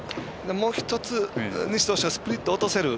もう１つ西投手がスプリット落とせる